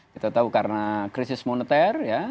kita tahu karena krisis moneter